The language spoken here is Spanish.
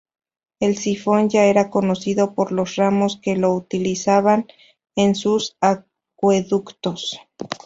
El sifón ya era conocido por los romanos, que lo utilizaban en sus acueductos.